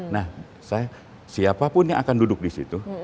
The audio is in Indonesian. nah saya siapapun yang akan duduk disitu